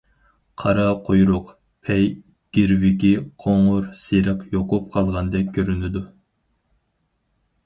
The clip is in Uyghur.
قارا قۇيرۇق، پەي گىرۋىكى قوڭۇر سېرىق يۇقۇپ قالغاندەك كۆرۈنىدۇ.